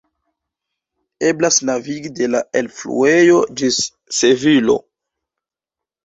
Eblas navigi de la elfluejo ĝis Sevilo.